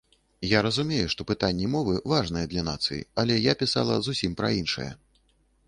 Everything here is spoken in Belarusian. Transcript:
Я разумею, што пытанне мовы важнае для нацыі, але я пісала зусім пра іншае.